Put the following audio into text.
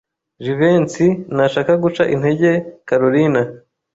Jivency ntashaka guca intege Kalorina.